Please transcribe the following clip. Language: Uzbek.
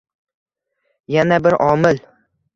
Yana bir omil